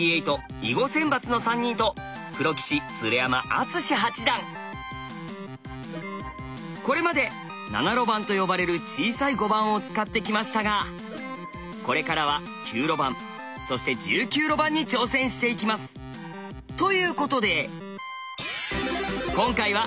メンバーはこれまで「７路盤」と呼ばれる小さい碁盤を使ってきましたがこれからは９路盤そして１９路盤に挑戦していきます！ということで。